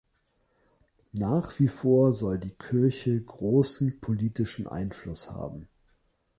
Nach wie vor soll die Kirche großen politischen Einfluss haben.